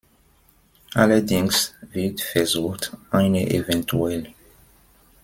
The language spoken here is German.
Allerdings wird versucht, eine evtl.